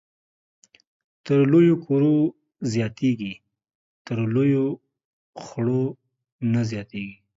تر لويو کورو زياتېږي ، تر لويو خړو نه زياتېږي